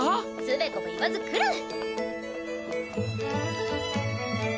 つべこべ言わず来る！